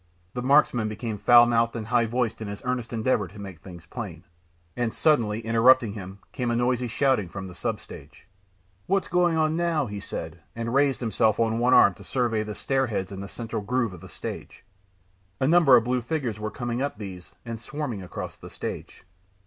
The marksman became foul mouthed and high voiced in his earnest endeavour to make things plain. And suddenly, interrupting him, came a noisy shouting from the substage. "What's going on now?" he said, and raised himself on one arm to survey the stairheads in the central groove of the stage. A number of blue figures were coming up these, and swarming across the stage.